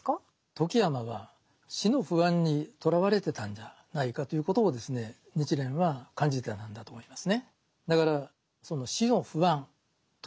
富木尼は死の不安にとらわれてたんじゃないかということを日蓮は感じてたんだと思いますね。